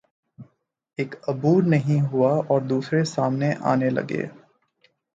ایک عبور نہیں ہوا اور دوسرے سامنے آنے لگے۔